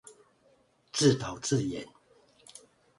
自導自演